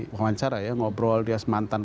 wawancara ya ngobrol dia mantan